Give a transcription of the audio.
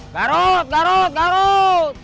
garut garut garut